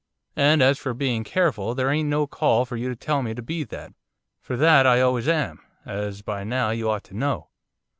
And as for bein' careful, there ain't no call for you to tell me to be that, for that I always am, as by now you ought to know.